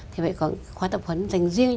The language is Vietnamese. thì phải có khóa tập huấn dành riêng